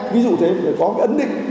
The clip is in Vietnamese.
ví dụ thế thì có cái ấn định